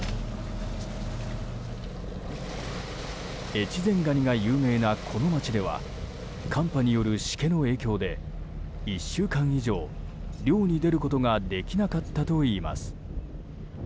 越前ガニが有名なこの町では寒波によるしけの影響で１週間以上、漁に出ることができなかったといいます。